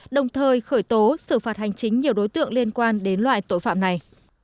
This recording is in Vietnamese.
đồng thời khởi tố xử phạt hành chính nhiều đối tượng liên quan đến loại tội phạm này